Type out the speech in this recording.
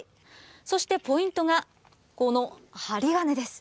そしてポイントが、この針金です。